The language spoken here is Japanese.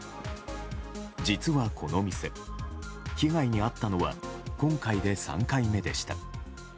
実は、この店被害に遭ったのは今回で３回目でした。